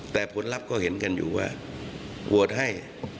แต่ผลลัพธ์ก็เห็นกันอยู่ว่าโหวตให้